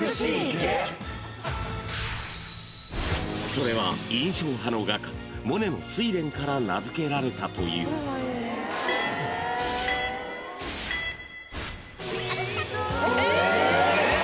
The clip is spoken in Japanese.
［それは印象派の画家モネの『睡蓮』から名づけられたという］えっ！？